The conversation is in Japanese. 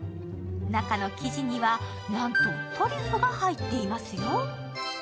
中の生地には、なんとトリュフが入っていますよ。